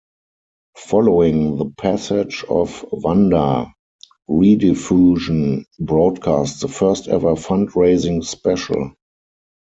Following the passage of Wanda, Rediffusion broadcast the first-ever fund-raising special.